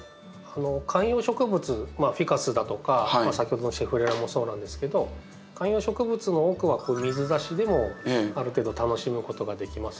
観葉植物フィカスだとか先ほどのシェフレラもそうなんですけど観葉植物の多くはこういう水ざしでもある程度楽しむことができます。